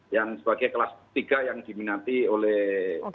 yang sebagai kelas tiga yang diminati oleh